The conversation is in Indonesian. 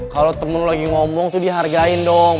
kalo temen lo lagi ngomong tuh dihargain dong